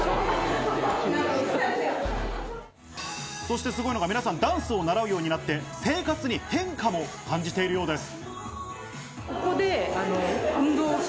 そしてすごいのが皆さんダンスを習うようになって生活に変化も感じているようです。